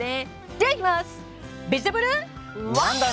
ではいきます。